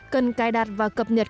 cần cài đặt và cập nhật